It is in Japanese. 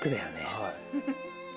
はい。